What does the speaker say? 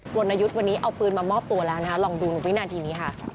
รณยุทธ์วันนี้เอาปืนมามอบตัวแล้วนะคะลองดูวินาทีนี้ค่ะ